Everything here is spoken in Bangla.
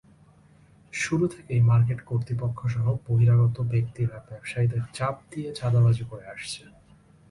শুরু থেকেই মার্কেট কর্তৃপক্ষসহ বহিরাগত ব্যক্তিরা ব্যবসায়ীদের চাপ দিয়ে চাঁদাবাজি করে আসছে।